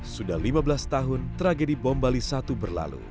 sudah lima belas tahun tragedi bom bali satu berlalu